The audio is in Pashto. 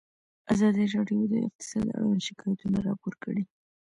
ازادي راډیو د اقتصاد اړوند شکایتونه راپور کړي.